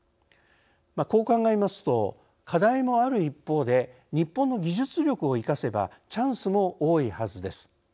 こう考えますと課題もある一方で日本の技術力を生かせばチャンスも多いはずです。